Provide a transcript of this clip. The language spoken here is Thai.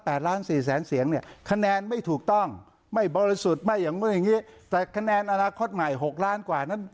มันมีอีกคำถามหนึ่งนะ